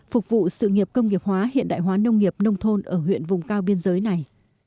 phục vụ sự nghiệp công nghiệp hóa hiện đại hóa nông nghiệp nông thôn ở huyện vùng cao biên giới này